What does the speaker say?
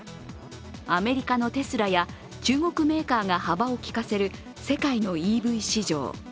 アメリカのテスラや中国メーカーが幅を利かせる世界のＥＶ市場。